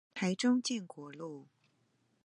台中建國路